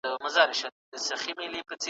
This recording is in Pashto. عملي سياست تر نظري سياست زيات پېچلی برېښي.